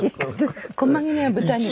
細切れは豚肉。